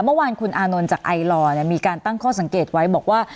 เมื่อวานคุณอานนท์จากไอลอร์มีการตั้งข้อสังเกตไว้บอกว่า